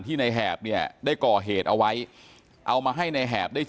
ทีมข่าวเราก็พยายามสอบถามความคืบหน้าเรื่องการสอบปากคำในแหบนะครับ